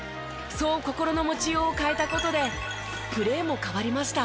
そう心の持ちようを変えた事でプレーも変わりました。